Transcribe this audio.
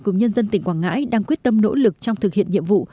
cùng nhân dân tỉnh quảng ngãi đang quyết tâm nỗ lực trong thực hiện nhiệm vụ